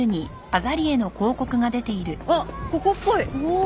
あっここっぽい。